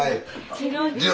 違う。